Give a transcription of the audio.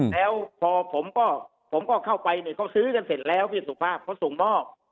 แล้วพอผมก็เขาซื้อกันเสร็จแล้วพี่สุภาพเขาส่งบอก